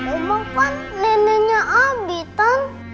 oma kan neneknya abi tan